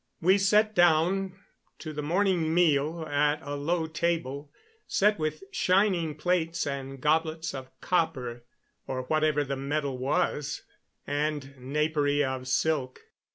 We sat down to the morning meal at a low table set with shining plates and goblets of copper, or whatever the metal was, and napery of silk.